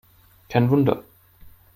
Kein Wunder!